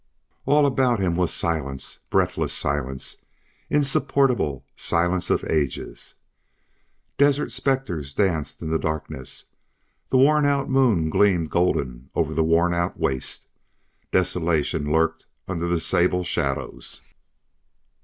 All about him was silence, breathless silence, insupportable silence of ages. Desert spectres danced in the darkness. The worn out moon gleamed golden over the worn out waste. Desolation lurked under the sable shadows.